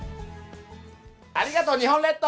ありがとう日本列島。